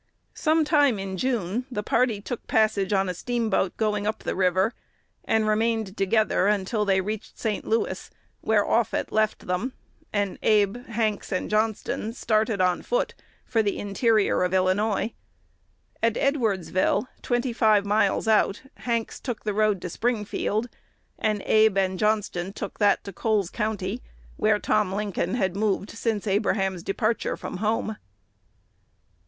Some time in June the party took passage on a steamboat going up the river, and remained together until they reached St. Louis, where Offutt left them, and Abe, Hanks, and Johnston started on foot for the interior of Illinois. At Edwardsville, twenty five miles out, Hanks took the road to Springfield, and Abe and Johnston took that to Coles County, where Tom Lincoln had moved since Abraham's departure from home.